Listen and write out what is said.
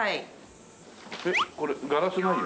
えっこれガラスないよね？